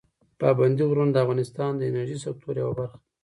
پابندي غرونه د افغانستان د انرژۍ سکتور یوه برخه ده.